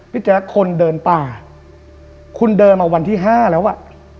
แจ๊คคนเดินป่าคุณเดินมาวันที่ห้าแล้วอ่ะ